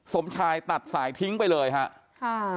สมชายตัดสายทิ้งไปเลยครับ